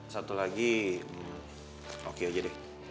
satu lagi oke aja deh